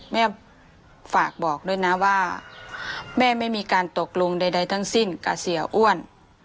แม่ฝากบอกด้วยนะว่าแม่ไม่มีการตกลงใดทั้งสิ้นกับเสียอ้วน